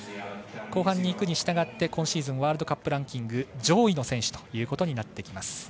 後半に行くに従って今シーズンワールドカップランキング上位の選手ということになってきます。